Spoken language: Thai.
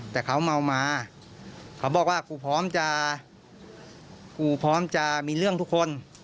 แต่เขาเอามาเขาบอกว่าผมพร้อมจะมีเรื่องทุกคน